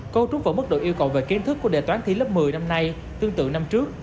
cô trúng vào mức độ yêu cầu về kiến thức của đề toán thi lớp một mươi năm nay tương tự năm trước